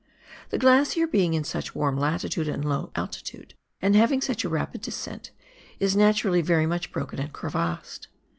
The glacier being in such a warm latitude and low altitude, and having such a rapid descent, is naturally very much broken and crevassed.